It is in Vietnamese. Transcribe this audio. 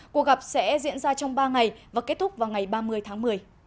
cuộc gặp sẽ diễn ra trong ba ngày và kết thúc vào ngày ba mươi tháng một mươi